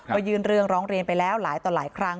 ก็ยื่นเรื่องร้องเรียนไปแล้วหลายต่อหลายครั้ง